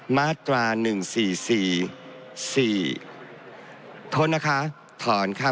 มาตรา๑๔๔๑